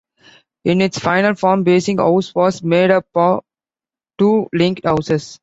In its final form, Basing House was made up of two linked houses.